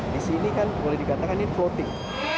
di sini kan boleh dikatakan ini floating